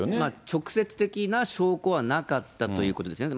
直接的な証拠はなかったということですね。